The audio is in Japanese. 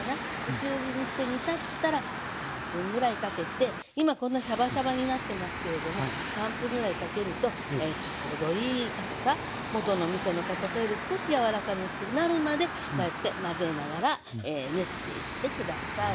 中火にして煮立ったら３分ぐらいかけて今こんなシャバシャバになってますけれども３分ぐらいかけるとちょうどいい堅さ元のみその堅さより少しやわらかくなるまでこうやって混ぜながら練っていって下さい。